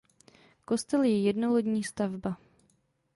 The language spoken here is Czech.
Kostel je jednolodní stavba.